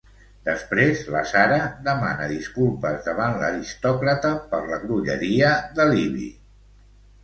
Després, la Sarah demana disculpes davant l'aristòcrata per la grolleria de Libby.